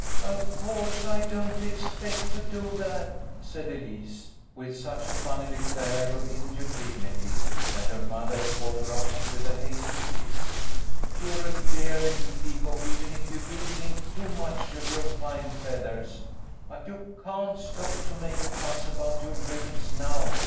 " Of course I don't expect to do that," said Elise, with such a funny little air of injured dignity that her mother caught her up with a hasty kiss. " You're a dear little peacock, even if you do think too much of your fine feathers. But you can't stop to make a fuss about your ribbons now.